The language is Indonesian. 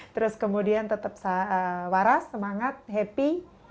terus kemudian tetap waras semangat happy